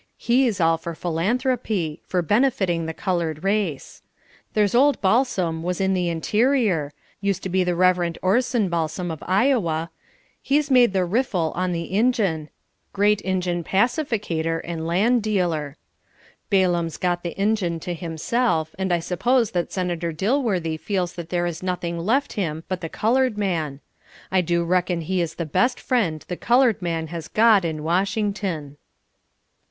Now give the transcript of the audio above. He's all for philanthropy, for benefiting the colored race. There's old Balsam, was in the Interior used to be the Rev. Orson Balsam of Iowa he's made the riffle on the Injun; great Injun pacificator and land dealer. Balaam'a got the Injun to himself, and I suppose that Senator Dilworthy feels that there is nothing left him but the colored man. I do reckon he is the best friend the colored man has got in Washington."